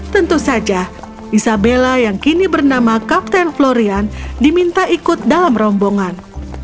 tentu saja isabella yang kini bernama kapten florian diminta ikut dalam rombongan